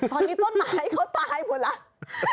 ตอนนี้ต้นไม้เขาตายหมดแล้ว